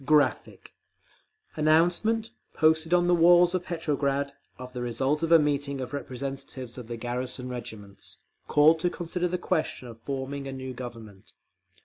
[Graphic, page 276: Meeting announcement] Announcement, posted on the walls of Petrograd, of the result of a meeting of representatives of the garrison regiments, called to consider the question of forming a new Government.